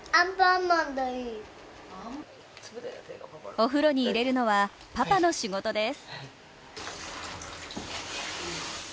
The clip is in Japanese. お風呂に入れるのは、パパの仕事です。